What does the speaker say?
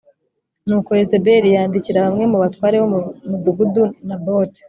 Nuko Yezebeli yandikira bamwe mu batware bo mu mudugudu Naboti